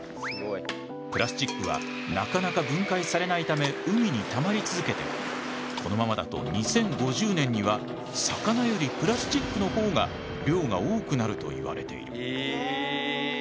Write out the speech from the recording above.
プラスチックはなかなか分解されないため海にたまり続けてこのままだと２０５０年には魚よりプラスチックの方が量が多くなるといわれている。